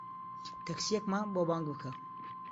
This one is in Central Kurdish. تەکسییەکمان بۆ بانگ بکە.